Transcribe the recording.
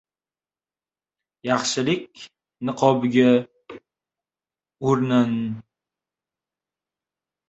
Yaxshilik niqobiga o‘ranmagan yoki uning ko‘magiga suyanmagan bironta ham illat yo‘q.